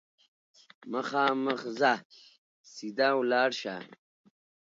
مخامخ ځه ، سیده ولاړ شه !